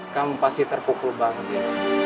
kamu pasti terpukul banget ya